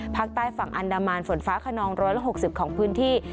ภาคใต้ฝั่งอันดามันฝนฟ้าขนอง๑๖๐ของพื้นที่